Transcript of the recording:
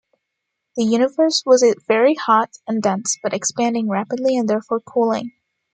The universe was very hot and dense, but expanding rapidly and therefore cooling.